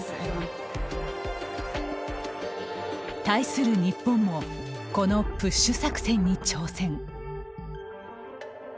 対する日本もこのプッシュ作戦に挑戦。